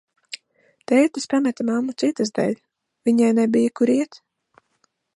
Tētis pameta mammu citas dēļ, viņai nebija, kur iet.